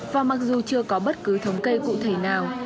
và mặc dù chưa có bất cứ thống kê cụ thể nào